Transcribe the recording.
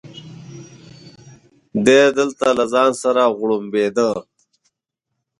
دی دلته له ځان سره غوړمبېده.